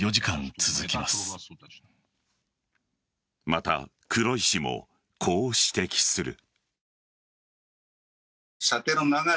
また、黒井氏もこう指摘する。